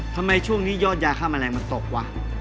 ทำไมช่วงนี้ยอดยาฆ่าแมลงมันตกวะ